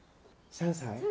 ３歳。